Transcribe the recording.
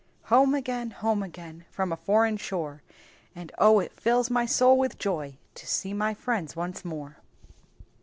"Home again, home again, from a foreign shore, And oh it fills my soul with Joy to see my friends once more."